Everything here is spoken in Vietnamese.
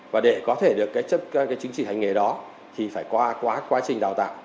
và để có thể được cái chứng chỉ hành nghề đó thì phải qua quá trình đào tạo